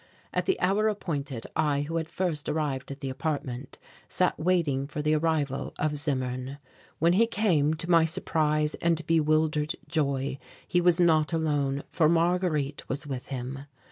At the hour appointed I, who had first arrived at the apartment, sat waiting for the arrival of Zimmern. When he came, to my surprise and bewildered joy he was not alone, for Marguerite was with him.